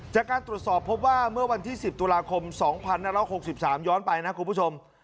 จากการตรวจสอบพบว่าเมื่อวันที่๑๐ตุลาคม๒๑๖๓ย้อนไปนะคุณผู้ชม